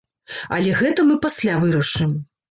Але гэты мы пасля вырашым.